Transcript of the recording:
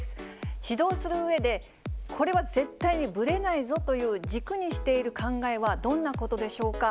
指導するうえで、これは絶対にぶれないぞという、軸にしている考えはどんなことでしょうか。